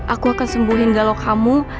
aku akan sembuhin dialog kamu